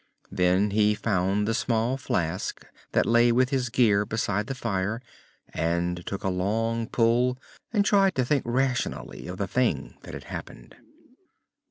Then he found the small flask that lay with his gear beside the fire and took a long pull, and tried to think rationally of the thing that had happened.